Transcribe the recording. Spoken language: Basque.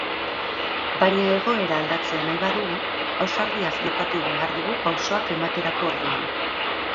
Baina egoera aldatzea nahi badugu ausardiaz jokatu behar dugu pausoak ematerako orduan.